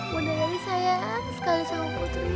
bunda dari sayang sekali sama putri